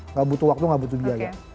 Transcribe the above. nggak butuh waktu nggak butuh biaya